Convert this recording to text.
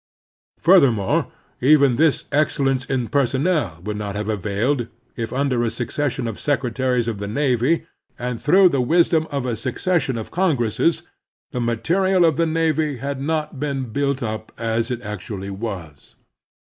Further more, even this excellence in the personnel would not have availed if under a succession of secre taries of the navy, and through the wisdom of a succession of Congresses, the material of the navy had not been built up as it actually was.